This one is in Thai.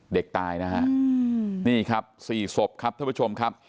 เด็กตายนะฮะนี่ครับ๔ศพครับท่านผู้ชมครับ